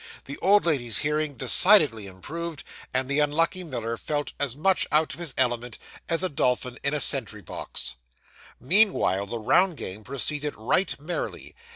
The old lady's hearing decidedly improved and the unlucky Miller felt as much out of his element as a dolphin in a sentry box. Meanwhile the round game proceeded right merrily.